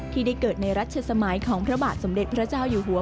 ที่ได้เกิดในรัชสมัยของพระบาทสมเด็จพระเจ้าอยู่หัว